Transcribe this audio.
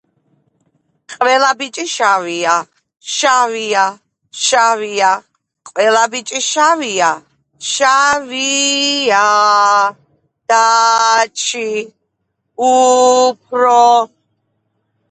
ყველა ბიჭი შავია შავია შავია ყვეელა ბიიჭი შავია შავიიიაააა დააააჩიი უუუუუუუუფფფრრროო